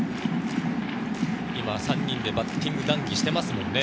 今３人でバッティング談義していますね。